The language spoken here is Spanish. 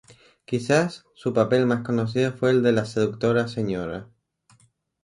Quizás, su papel más conocido fue el de la seductora Sra.